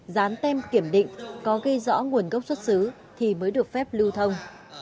dán tem kiểm định có ghi rõ nguồn gốc xuất xứ thì mới được phép lưu thông